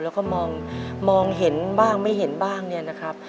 แล้วก็มองเห็นบ้างไม่เห็นบ้างเนี่ยนะครับ